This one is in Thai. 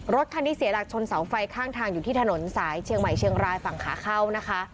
รถคันนี้เสียหลักชนเสาไฟข้างทางอยู่ที่ถนนสายเชียงใหม่เชียงรายฝั่งขาเข้านะคะ